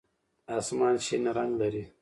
آسمان شین رنګ لري.